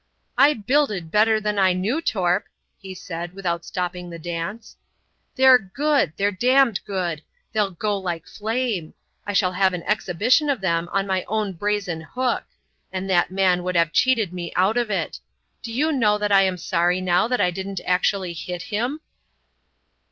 "I builded better than I knew, Torp," he said, without stopping the dance. "They're good! They're damned good! They'll go like flame! I shall have an exhibition of them on my own brazen hook. And that man would have cheated me out of it! Do you know that I'm sorry now that I didn't actually hit him?"